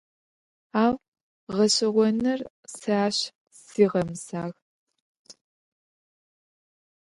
Ау, гъэшӏэгъоныр, сэ ащ сигъэмысагъ.